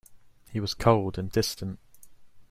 He was cold and distant.